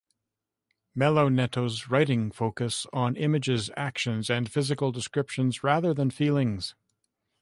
Melo Neto's writing focus on images, actions, and physical descriptions rather than feelings.